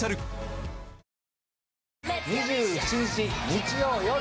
２７日、日曜夜。